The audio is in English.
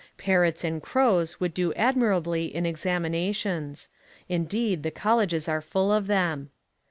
Parrots and crows would do admirably in examinations. Indeed, the colleges are full of them.